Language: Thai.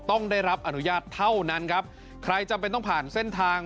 ต้องได้รับอนุญาตเท่านั้นครับใครจำเป็นต้องผ่านเส้นทาง